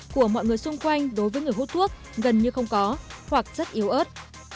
của mọi người xung quanh đối với người hút thuốc gần như không có hoặc rất yếu ớt